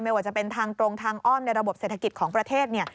ว่าจะเป็นทางตรงทางอ้อมในระบบเศรษฐกิจของประเทศ